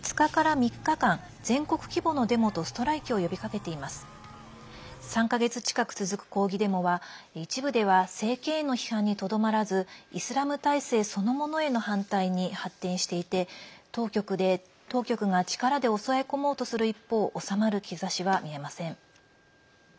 ３か月近く続く抗議デモは一部では政権への批判にとどまらずイスラム体制そのものへの反対に発展していて当局が力で抑え込もうとする一方収まる兆しは見えません。